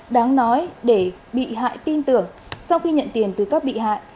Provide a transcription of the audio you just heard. đáng nói để bị hại tin tưởng sau khi nhận tiền từ các bị hại